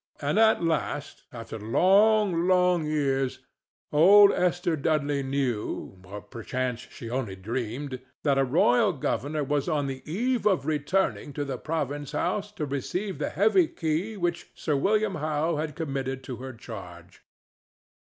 And at last, after long, long years, old Esther Dudley knew—or perchance she only dreamed—that a royal governor was on the eve of returning to the province house to receive the heavy key which Sir William Howe had committed to her charge.